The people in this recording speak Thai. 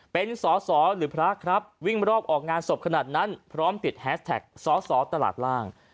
เป็นสอสอหรือพระครับวิ่งรอบออกงานศพขนาดนั้นพร้อมติดแฮสแท็กสอสอตลาดล่าง